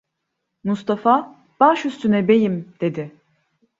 Mustafa: "Baş üstüne beyim…" dedi.